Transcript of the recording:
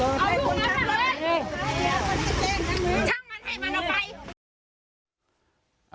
โอ้โห